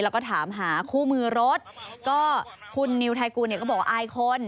แล้วก็ถามหาคู่มือรถก็คุณนิวไทยกูลเนี่ยก็บอกว่าอายคน